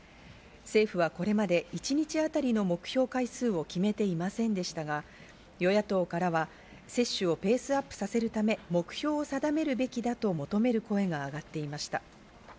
政府はこれまで一日当たりの目標回数を決めていませんでしたが、与野党からは接種をペースアップさせるため目標を定めるべきだと求める声が上がっていました。